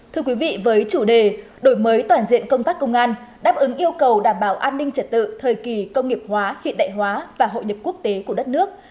thưa quý vị với chủ đề đổi mới toàn diện công tác công an đáp ứng yêu cầu đảm bảo an ninh trật tự thời kỳ công nghiệp hóa hiện đại hóa và hội nhập quốc tế của đất nước